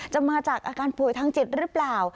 มาจากอาการป่วยทางจิตหรือเปล่า